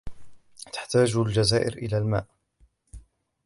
تحتاج الجزائر إلى الماء